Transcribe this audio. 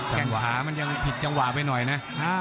แค่งขวามันยังผิดจังหวะไปหน่อยนะ